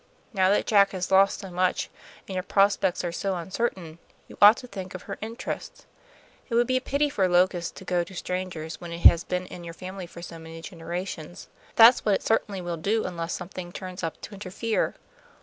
Now that Jack has lost so much, and your prospects are so uncertain, you ought to think of her interests. It would be a pity for Locust to go to strangers when it has been in your family for so many generations. That's what it certainly will do unless something turns up to interfere.